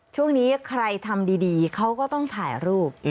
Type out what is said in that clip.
ช่วงนี้ใครทำดีเขาก็ต้องถ่ายรูป